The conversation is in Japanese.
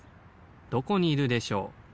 どこにいるでしょう？